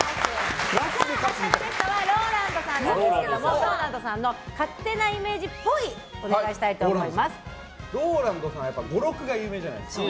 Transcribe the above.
明日のゲストはＲＯＬＡＮＤさんなんですけどＲＯＬＡＮＤさんの勝手なイメージＲＯＬＡＮＤさんは語録が有名じゃないですか。